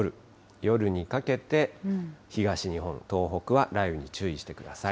夜にかけて、東日本、東北は雷雨に注してください。